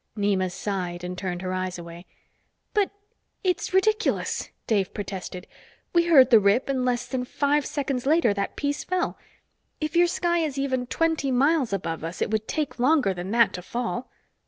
Nema sighed and turned her eyes away. "But it's ridiculous!" Dave protested. "We heard the rip and less than five seconds later, that piece fell. If your sky is even twenty miles above us, it would take longer than that to fall."